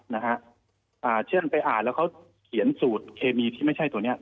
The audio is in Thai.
นะฮะอ่าเช่นไปอ่านแล้วเขาเขียนสูตรเคมีที่ไม่ใช่ตัวเนี้ย